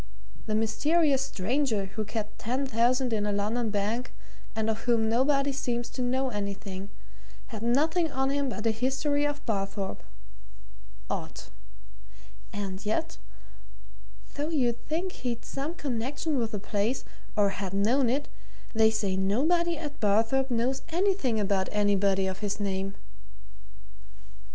The mysterious stranger who kept ten thousand in a London bank, and of whom nobody seems to know anything, had nothing on him but a history of Barthorpe. Odd! And yet, though you'd think he'd some connection with the place, or had known it, they say nobody at Barthorpe knows anything about anybody of his name."